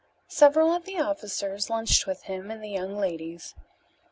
Several of the officers lunched with him and the young ladies.